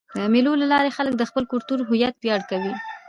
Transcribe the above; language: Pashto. د مېلو له لاري خلک د خپل کلتوري هویت ویاړ کوي.